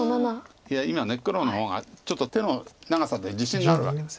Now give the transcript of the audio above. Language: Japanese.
いや今黒の方がちょっと手の長さで自信があるわけです。